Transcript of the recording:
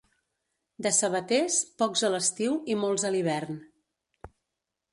De sabaters, pocs a l'estiu i molts a l'hivern.